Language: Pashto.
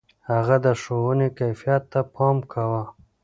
هغه د ښوونې کيفيت ته پام کاوه.